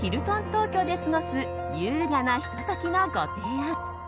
東京で過ごす優雅なひと時のご提案。